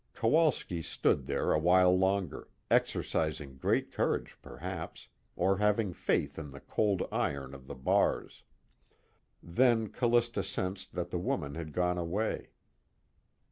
Kowalski stood there a while longer, exercising great courage perhaps, or having faith in the cold iron of the bars. Then Callista sensed that the woman had gone away.